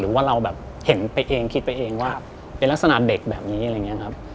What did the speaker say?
ว่าเราแบบเห็นไปเองคิดไปเองว่าเป็นลักษณะเด็กแบบนี้อะไรอย่างนี้ครับ